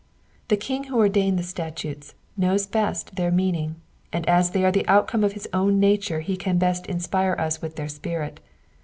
The King who ordained the statutes knows best their meaning, and as they are the outcome of his own nature he can best inspire us with their spirit.